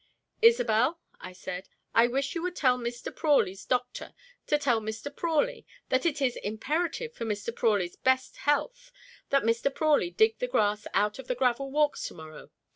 "Isobel," I said, "I wish you would tell Mr. Prawley's doctor to tell Mr. Prawley that it is imperative for Mr. Prawley's best health that Mr. Prawley dig the grass out of the gravel walks to morrow.